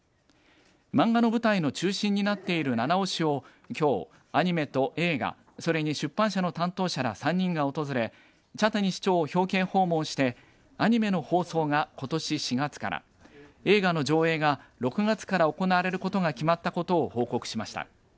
漫画の舞台の中心になっている七尾市をきょうアニメと映画それに出版社の担当者ら３人が訪れ茶谷市長を表敬訪問してアニメの放送が、ことし４月から映画の上映が６月から行われることが決まったことを報告しました。